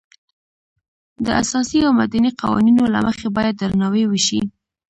د اساسي او مدني قوانینو له مخې باید درناوی وشي.